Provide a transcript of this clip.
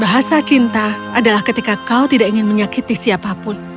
bahasa cinta adalah ketika kau tidak ingin menyakiti siapapun